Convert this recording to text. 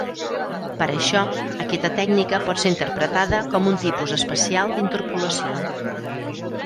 Per això, aquesta tècnica pot ser interpretada com un tipus especial d’interpolació.